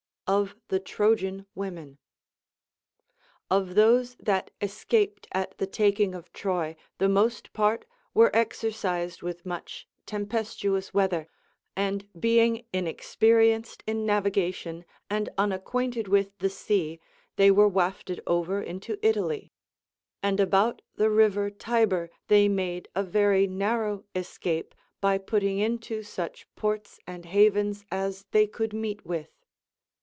Of the Trojan Women. Of those that escaped at the taking of Troy the most part Λyere exercised with much tempestuous weather, and being inexperienced in navigation and unacquainted with the sea, they were Λvafted over into Italy ; and about the river Tiber they made a very narrow escape by putting into such ports and havens as they could meet with.